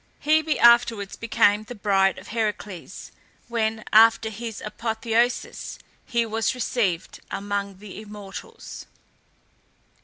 Hebe afterwards became the bride of Heracles, when, after his apotheosis, he was received among the immortals.